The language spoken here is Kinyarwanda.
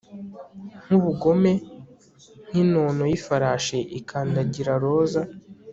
Nkubugome nkinono yifarashi ikandagira roza